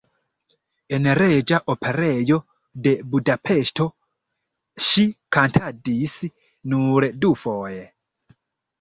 En Reĝa Operejo de Budapeŝto ŝi kantadis nur dufoje.